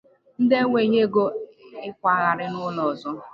ndị enweghị ego ịkwagharị n'ụlọ ọzọ